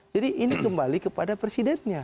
jadi ini kembali kepada presidennya